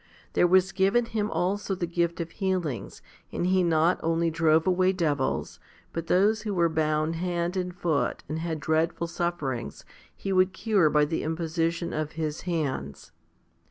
There was given him also the gift of healings, and he not only drove away devils, but those who were bound hand and foot and had dreadful sufferings he would cure by the imposition of his hands.